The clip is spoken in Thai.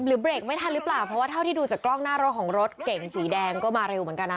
เบรกไม่ทันหรือเปล่าเพราะว่าเท่าที่ดูจากกล้องหน้ารถของรถเก่งสีแดงก็มาเร็วเหมือนกันนะ